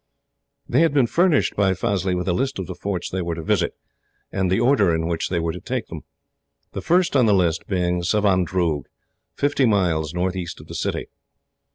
They had been furnished, by Fazli, with a list of the forts they were to visit, and the order in which they were to take them; the first on the list being Savandroog, fifty miles northeast of the city.